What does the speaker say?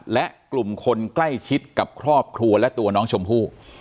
และกลุ่มคนใกล้ชิดกับครอบครัวและตัวน้องชมพู่